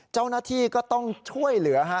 เจ้าหน้าที่ก็ต้องช่วยเหลือฮะ